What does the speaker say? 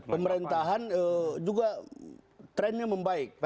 pemerintahan juga trennya membaik